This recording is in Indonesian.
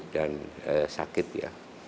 dan sakit ya